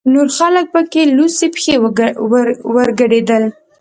نور خلک پکې لوڅې پښې ورګډېدل.